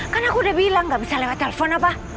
kan aku udah bilang gak bisa lewat telepon apa